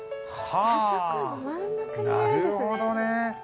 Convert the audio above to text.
はあ、なるほどね。